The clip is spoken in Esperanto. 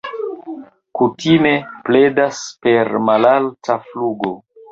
Kutime predas per malalta flugo.